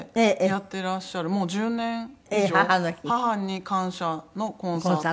もう１０年以上「母に感謝のコンサート」。